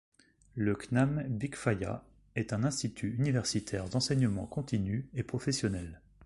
Le Cnam Bikfaya est un institut universitaire d'enseignement continue et professionnel.